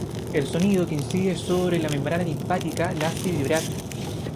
El sonido que incide sobre la membrana timpánica la hace vibrar.